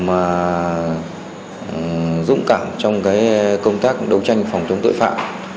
anh cũng rất là dũng cảm trong công tác đấu tranh phòng chống tội phạm